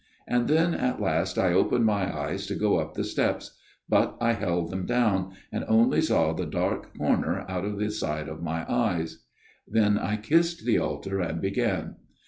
And then at last I opened my eyes to go up the steps but I kept them down ; and only saw the dark corner out of the side of my eyes. " Then I kissed the altar and began.